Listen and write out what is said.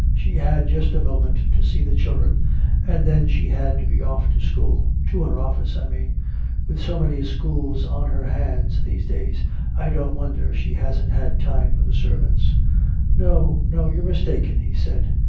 "She had just a moment to see the children and then she had to be off to school to her office, I mean. With so many schools on her hands these days, I don't wonder she hasn't had time for the servants." "No, no, you're mistaken," he said.